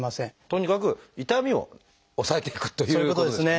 とにかく痛みを抑えていくということですね。